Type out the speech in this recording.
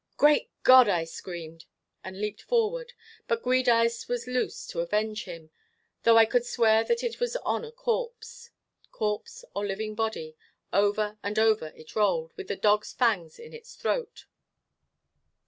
"Great God," I screamed, and leaped forward. But Giudice was loose to avenge him, though I could swear that it was on a corpse. Corpse or living body, over and over it rolled, with the dog's fangs in its throat.